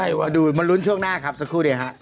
หือกดดูมารุนช่วงหน้าครับสักครู่เดี๋ยวค่ะ